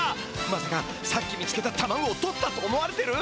まさかさっき見つけたタマゴをとったと思われてる？